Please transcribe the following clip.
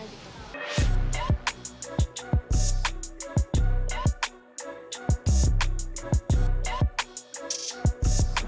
kedai mie lain yang saya coba